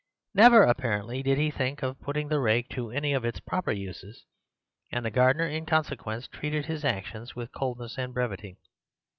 Never, apparently, did he think of putting the rake to any of its proper uses, and the gardener, in consequence, treated his actions with coldness and brevity.